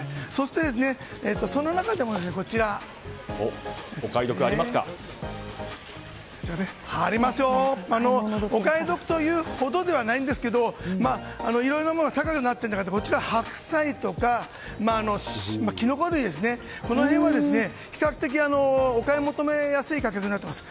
その中でも、お買い得というほどではないんですけどいろいろなものが高くなっている中で白菜とかキノコ類この辺は、比較的お買い求めやすい価格になっています。